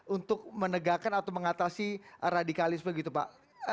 untuk menegakkan atau mengatasi radikalisme gitu pak